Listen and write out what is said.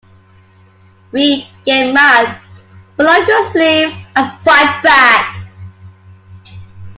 Read, get mad, roll up your sleeves, and fight back.